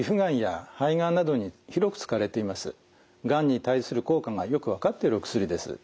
がんに対する効果がよく分かっているお薬です。